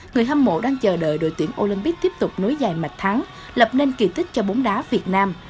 người hâm mộ đang chờ đợi đội tuyển olympic tiếp tục nối dài mạch thắng lập nên kỳ tích cho bóng đá việt nam